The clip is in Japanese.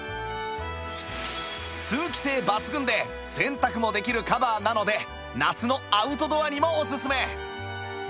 通気性抜群で洗濯もできるカバーなので夏のアウトドアにもおすすめ